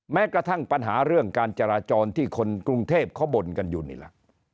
แม้กระทั่งปัญหาเรื่องการจราจรที่คนกรุงเทพเขาบ่นกันอยู่นี่แหละ